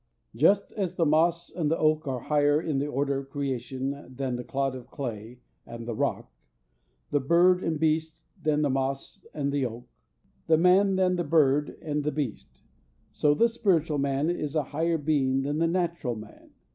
JUST as the moss and the oak are higher in the order of creation than the clod of clay and the rock, the bird and beast than the moss and the oak, the man than the bird and the beast, so the spiritual man is a higher being than the natural man.